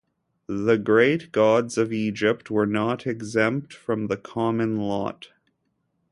The great gods of Egypt were not exempt from the common lot.